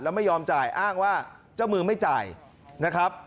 แล้วไม่ยอมจ่ายอ้างว่าเจ้ามือไม่จ่ายนะครับ